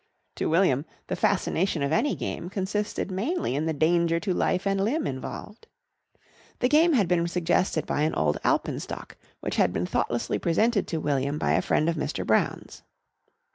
To William the fascination of any game consisted mainly in the danger to life and limb involved. The game had been suggested by an old alpenstock which had been thoughtlessly presented to William by a friend of Mr. Brown's.